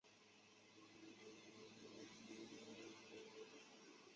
县莅位于东兴市镇。